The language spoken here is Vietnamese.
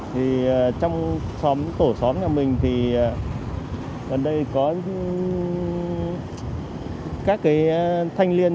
thì trong tổ xóm nhà mình thì gần đây có các thanh liên